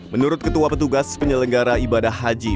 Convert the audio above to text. menurut ketua petugas penyelenggara ibadah haji